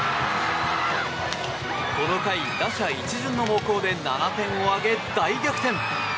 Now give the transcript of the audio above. この回打者一巡の猛攻で７点を挙げ、大逆転。